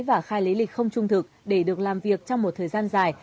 và khai lý lịch không trung thực để được làm việc trong một thời gian dài